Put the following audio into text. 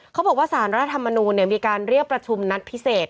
เขาบอกว่าสารรัฐธรรมนูลมีการเรียกประชุมนัดพิเศษ